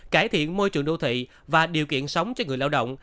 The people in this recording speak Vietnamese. cải thiện môi trường đô thị và điều kiện sống cho người lao động